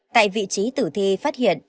tại vị trí tử thi phát hiện